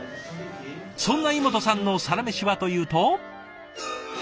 そんな井本さんのサラメシはというと。